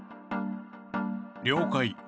了解。